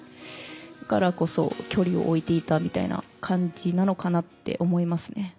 だからこそ距離を置いていたみたいな感じなのかなって思いますね。